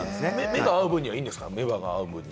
目が合う分にはいいんですか？